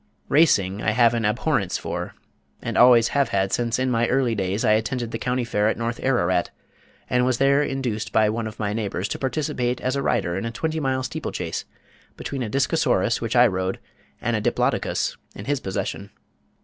Racing I have an abhorrence for, and always have had since in my early days I attended the county fair at North Ararat, and was there induced by one of my neighbors to participate as a rider in a twenty mile steeplechase between a Discosaurus which I rode, and a Diplodocus in his possession.